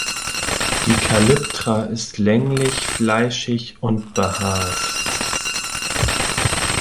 Die Kalyptra ist länglich, fleischig und behaart.